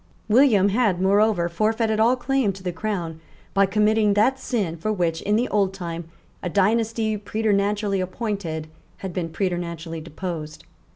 William had moreover forfeited all claim to the crown by committing that sin for which, in the old time, a dynasty preternaturally appointed had been preternaturally deposed.